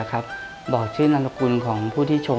แล้วก็บอกชื่อนามตะกุลของผู้ที่ชม